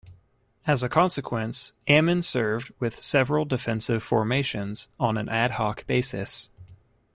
As a consequence, "Ammen" served with several defensive formations on an ad hoc basis.